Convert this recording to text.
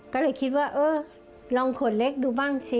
ก็เลยคิดว่าเออลองขวดเล็กดูบ้างสิ